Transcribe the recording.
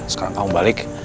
sekarang kamu balik